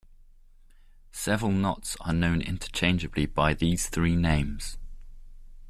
Several knots are known interchangeably by these three names.